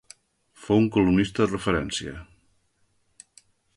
Fou un columnista de referència.